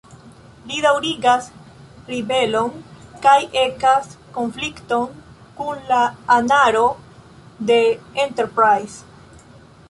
Li daŭrigas ribelon kaj ekas konflikton kun la anaro de "Enterprise".